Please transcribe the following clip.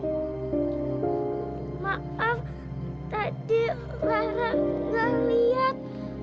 maaf tadi lara enggak liat